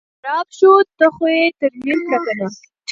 نو چې خراب شو ته خو یې ترمیم کړه کنه.